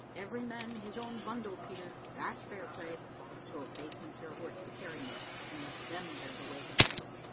Every man his own bundle, Peter, that's fair play; so if they think you're worth the carrying, let them bear the weight of ye."